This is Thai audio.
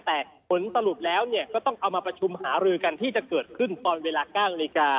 แต่ผลสรุปแล้วก็ต้องเอามาประชุมหารือกันที่จะเกิดขึ้นตอนเวลา๙นาฬิกา